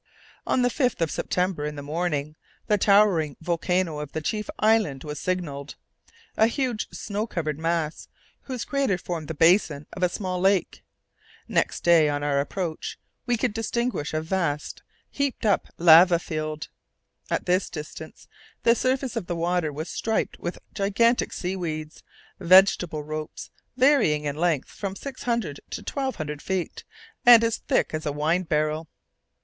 On the 5th of September, in the morning, the towering volcano of the chief island was signalled; a huge snow covered mass, whose crater formed the basin of a small lake. Next day, on our approach, we could distinguish a vast heaped up lava field. At this distance the surface of the water was striped with gigantic seaweeds, vegetable ropes, varying in length from six hundred to twelve hundred feet, and as thick as a wine barrel.